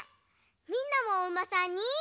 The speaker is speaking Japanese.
みんなもおうまさんに。